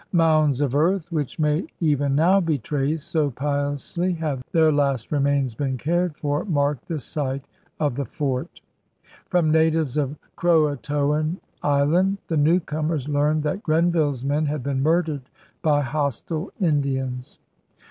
Mounds of earth, which may even now be traced, so piously have their last remains been cared for, marked the site of the fort. From natives of Croatoan Island the newcomers learned that Grenville's men had been murdered by hostile Indians.